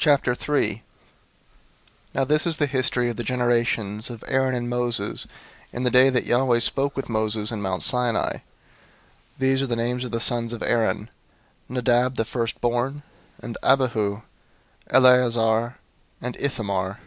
003:001 Now this is the history of the generations of Aaron and Moses in the day that Yahweh spoke with Moses in Mount Sinai. 003:002 These are the names of the sons of Aaron: Nadab the firstborn, and Abihu, Eleazar, and Ithamar.